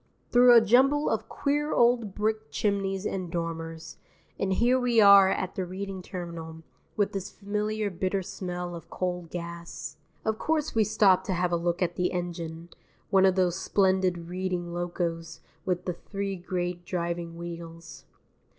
Through a jumble of queer old brick chimneys and dormers, and here we are at the Reading Terminal, with its familiar bitter smell of coal gas. Of course we stop to have a look at the engine, one of those splendid Reading locos with the three great driving wheels.